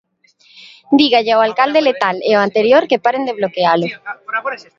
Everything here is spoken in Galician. Dígalle ao alcalde letal e ao anterior que paren de bloquealo.